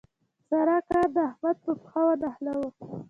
سارا کار د احمد په پښه ونښلاوو.